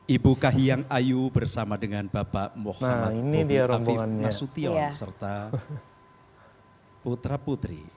ibu kahiyang ayu bersama dengan bapak muhammad afif nasution serta putra putri